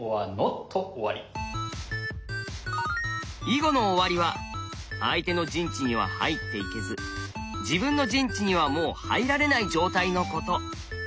囲碁の終わりは相手の陣地には入っていけず自分の陣地にはもう入られない状態のこと。